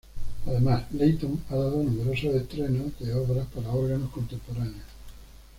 Además, Leighton ha dado numerosos estrenos de obras para órgano contemporáneos.